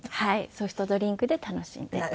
ソフトドリンクで楽しんで。